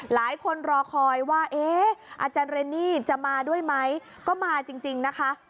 หลายคนรอคอยว่าเอ๊ะอาจารย์เรนนี่จะมาด้วยไหมก็มาจริงนะคะ